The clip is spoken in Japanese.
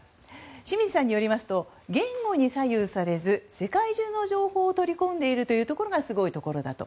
清水さんによりますと言語に左右されず世界中の情報を取り込んでいるところがすごいところだと。